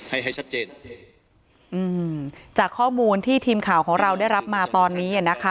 ให้ให้ชัดเจนอืมจากข้อมูลที่ทีมข่าวของเราได้รับมาตอนนี้อ่ะนะคะ